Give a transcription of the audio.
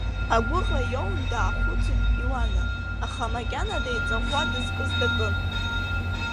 Агәыӷра иоуны даахәыцит Иуана, аха макьана деиҵаӷәӷәа дызкыз дакын.